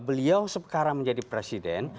beliau sekarang menjadi presiden